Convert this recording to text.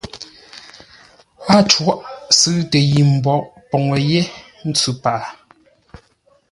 Á cwôʼ sʉ̂ʉtə yi mbwoʼ poŋə yé ntsʉ paghʼə.